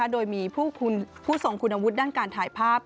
โดยมีผู้ทรงคุณวุฒิด้านการถ่ายภาพ